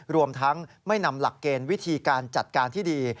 รวมทั้งไม่นำหลักเกณฑ์วิธีการจัดการที่ดี